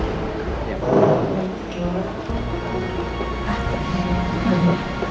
pak terima kasih